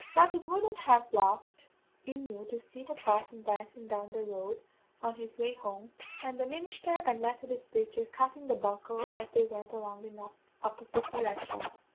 Throth it wouldn't lave a laugh in you to see the parson dancin' down the road on his way home, and the ministher and Methodist praicher cuttin' the buckle as they went along in the opposite direction.